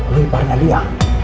lo iparnya dia